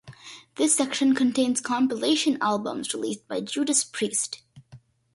This section contains compilation albums released by Judas Priest.